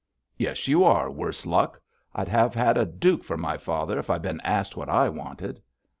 'Yes, you are, worse luck! I'd have had a duke for my father if I'd been asked what I wanted.'